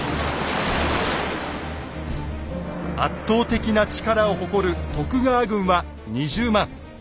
圧倒的な力を誇る徳川軍は２０万。